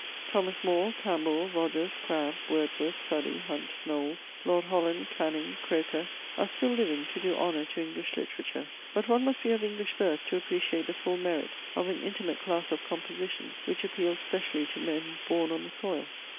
Thomas Moore, Campbell, Rogers, Crabbe, Wordsworth, Southey, Hunt, Knowles, Lord Holland, Canning, Croker are still living to do honour to English literature; but one must be of English birth to appreciate the full merit of an intimate class of composition which appeals specially to men born on the soil.